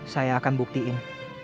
saya akan buktiin